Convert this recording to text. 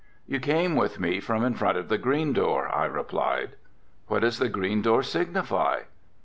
"You came with me from in front of the green door," I replied. "What does the green door signify?"